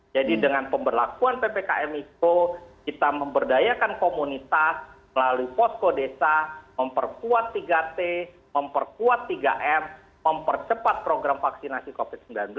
jadi dengan pemberlakuan ppkm itu kita memberdayakan komunitas melalui posko desa memperkuat tiga t memperkuat tiga m mempercepat program vaksinasi covid sembilan belas